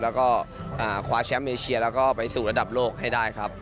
แล้วก็คว้าแชมป์เอเชียแล้วก็ไปสู่ระดับโลกให้ได้ครับ